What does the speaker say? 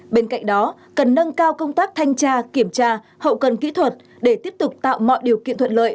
bên cạnh đó cần nâng cao công tác thanh tra kiểm tra hậu cần kỹ thuật để tiếp tục tạo mọi điều kiện thuận lợi